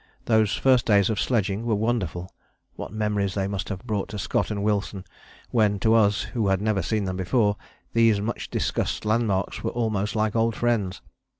Those first days of sledging were wonderful! What memories they must have brought to Scott and Wilson when to us, who had never seen them before, these much discussed landmarks were almost like old friends.